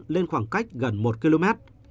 lên khoảng cách gần một km